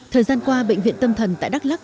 thời gian qua bệnh viện tâm thần tại đắk lắc